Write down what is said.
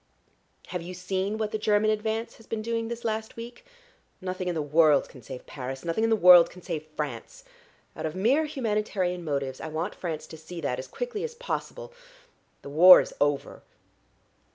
Have you seen what the German advance has been doing this last week? Nothing in the world can save Paris, nothing in the world can save France. Out of mere humanitarian motives I want France to see that as quickly as possible. The war is over."